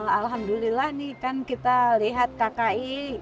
alhamdulillah nih kan kita lihat kki